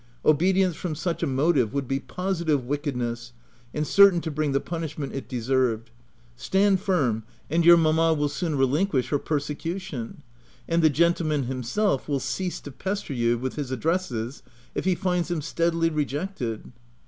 "Obedience from such a motive would be positive wickedness, and certain to bring the punishment it de served. Stand firm, and your mamma will soon relinquish her persecution; — and the gentle man himself will cease to pester you with his addresses if he finds them steadily re jected."